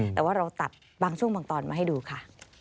แต่ว่าเราตัดบางช่วงบางตอนมาให้ดูค่ะ